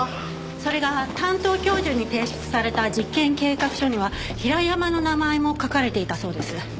それが担当教授に提出された実験計画書には平山の名前も書かれていたそうです。